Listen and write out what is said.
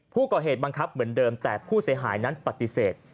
ผู้ก่อเหตุบังคับเหมือนเดิมแต่ผู้เสียหายนั้นปฏิเสธ